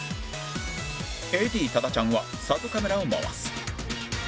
ＡＤ 多田ちゃんはサブカメラを回す